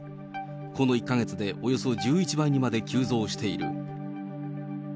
この１か月で、およそ１１倍にまで急増している。